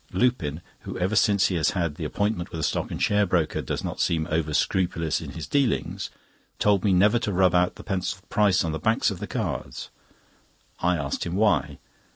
Lupin (who, ever since he has had the appointment with a stock and share broker, does not seem over scrupulous in his dealings) told me never to rub out the pencilled price on the backs of the cards. I asked him why.